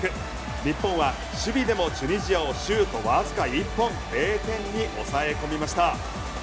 日本は守備でもチュニジアをシュートわずか１本０点に抑え込みました。